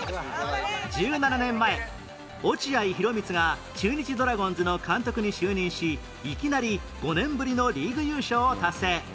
１７年前落合博満が中日ドラゴンズの監督に就任しいきなり５年ぶりのリーグ優勝を達成